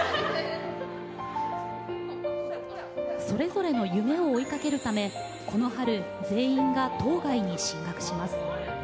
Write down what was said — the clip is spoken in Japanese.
それぞれの夢を追いかけるためこの春、全員が島外に進学します。